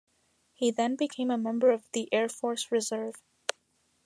He then became a member of the Air Force Reserve.